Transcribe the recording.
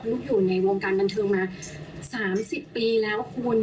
อยู่ในวงการบันเทิงมา๓๐ปีแล้วคุณ